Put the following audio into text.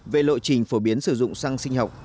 về lộ trình phổ biến sử dụng xăng sinh học